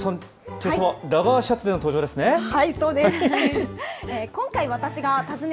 けさはラガーシャツでの登場ですね。